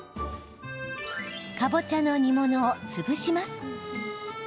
かぼちゃの煮物を潰します。